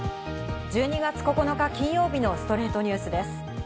１２月９日、金曜日の『ストレイトニュース』です。